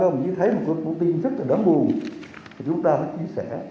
đồng chí thấy một cuộc vụ tiêm rất đáng buồn chúng ta hãy chia sẻ